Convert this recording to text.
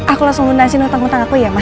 aku langsung luntasiin hutang hutang aku ya ma